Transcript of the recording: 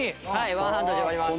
ワンハンドで割ります。